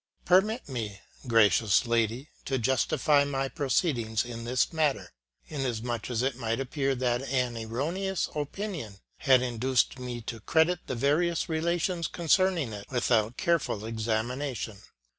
... Permit me, gracious lady, to justify my proceedings in this matter, inasmuch as it might appear that an erroneous opinion had induced me to credit the various relations concerning it without careful examination.